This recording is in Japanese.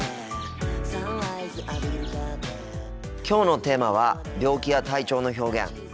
今日のテーマは病気や体調の表現。